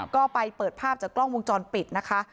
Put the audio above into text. ก็ไปเปิดภาพจากกล้องวงจรปิดนะคะ